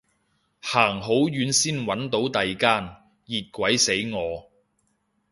行好遠先搵到第間，熱鬼死我